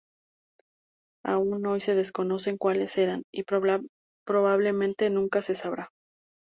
Aún hoy se desconocen cuáles eran, y probablemente nunca se sabrá.